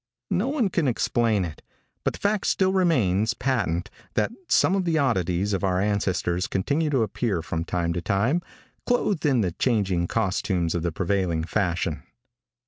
No one can explain it, but the fact still remains patent that some of the oddities of our ancestors continue to appear from time to time, clothed in the changing costumes of the prevailing fashion.